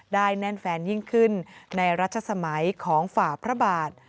แน่นแฟนยิ่งขึ้นในรัชสมัยของฝ่าพระบาท